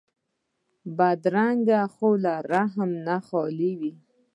بدرنګه خوی له رحم نه خالي وي